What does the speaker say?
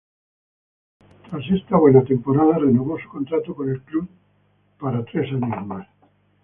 Tras esta buena temporada, renovó su contrato con el club por tres años más.